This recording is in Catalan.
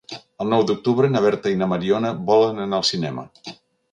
El nou d'octubre na Berta i na Mariona volen anar al cinema.